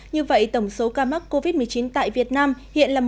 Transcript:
như vậy tổng số ca mắc covid một mươi chín tại việt nam hiện là một bốn mươi chín ca